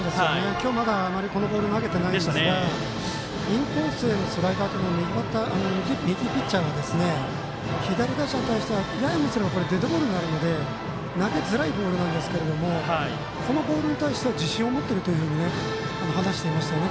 今日あまり、まだこのボール投げてないんですがインコースのスライダーは右ピッチャーが左打者に対してはデッドボールになるので投げづらいボールなんですがこのボールに対しては自信を持っていると話していましたね